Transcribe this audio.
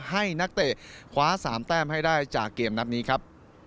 นักเตะคว้า๓แต้มให้ได้จากเกมนัดนี้ครับ